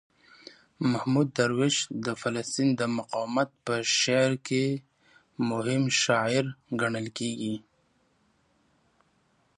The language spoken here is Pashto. محمود درویش د فلسطین د مقاومت په شعر کې مهم شاعر ګڼل کیږي.